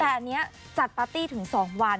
แต่อันนี้จัดปาร์ตี้ถึง๒วัน